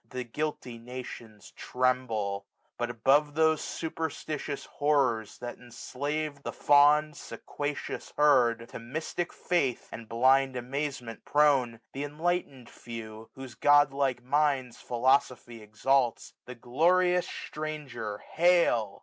The guilty nations tremble. But, above 171Q Those superstitious horrors that enflave The fond sequacious herd, to mptic feith And blind amazement prone ; the enlightened feWj^ Whose godlike minds philosophy exalts. The glorious stranger hail.